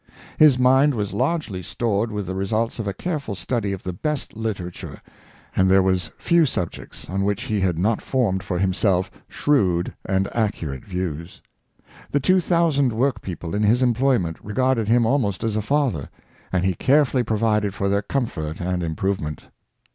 His mind was largely stored with the results of a careful study of the best literature, and there was few subjects on which he had not formed for himself shrewd and accurate views. The two thousand workpeople in his employment re garded him almost as a father, and he carefully pro vided for their comfort and improvement.